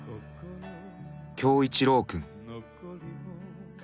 「恭一郎訓」